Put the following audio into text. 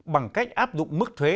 bằng cách áp dụng mức thuế